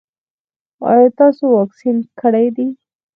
ایا تاسو واکسین کړی دی؟